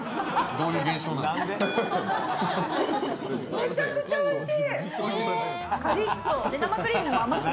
めちゃくちゃおいしい！